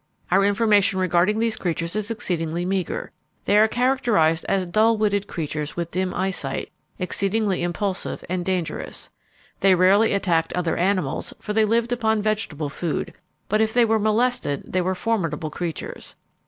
Our information regarding these creatures is exceedingly meager. They are characterized as dull witted creatures with dim eyesight, exceedingly impulsive and dangerous. They rarely attacked other animals, for they lived upon vegetable food; but if they were molested they were formidable creatures.